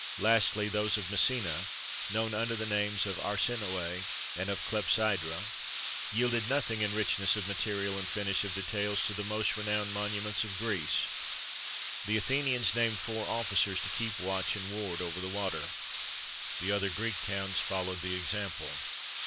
[XXV 9] Lastly, those of Messina, known under the names of Arsinoe and of Clepsydra, yielded nothing in richness of material and finish of details to the most renowned monuments of Greece. The Athenians named four officers to keep watch and ward over the water.[XXV 10] The other Greek towns followed the example.